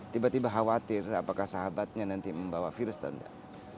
tiba tiba khawatir apakah sahabatnya nanti membawa virus atau enggak